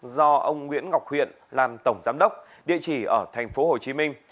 do ông nguyễn ngọc huyện làm tổng giám đốc địa chỉ ở thành phố hồ chí minh